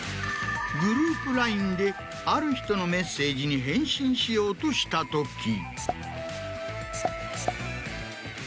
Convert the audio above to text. グループＬＩＮＥである人のメッセージに返信しようとしたとき。